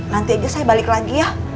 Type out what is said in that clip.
nanti aja saya balik lagi ya